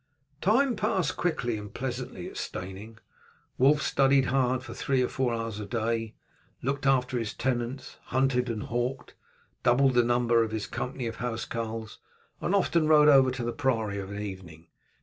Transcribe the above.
The time passed quickly and pleasantly at Steyning. Wulf studied hard for three or four hours a day, looked after his tenants, hunted and hawked, doubled the number of his company of housecarls, and often rode over to the priory of an evening.